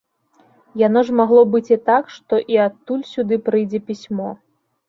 Яно ж магло быць і так, што і адтуль сюды прыйдзе пісьмо.